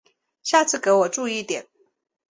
下次给我注意一点！